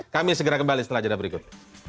kami segera kembali setelah jeda berikut